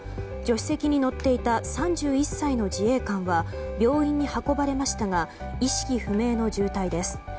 助手席に乗っていた３１歳の自衛官は病院に運ばれましたが意識不明の重体です。